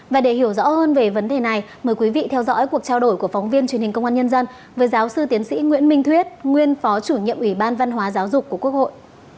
và để hiểu rõ hơn về vấn đề này mời quý vị theo dõi cuộc trao đổi của phóng viên truyền hình công an nhân dân với giáo sư tiến sĩ nguyễn minh thuyết nguyên phó chủ nhiệm ủy ban văn hóa giáo dục của quốc hội